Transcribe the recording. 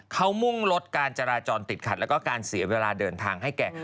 เขามุ่งลดการจราจรติดขัดแล้วก็การเสียเวลาเดินทางให้แก่